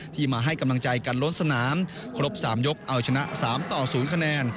ที่มาให้กำลังใจการลดสนามครบสามยกเอาชนะสามต่อศูนย์คะแนน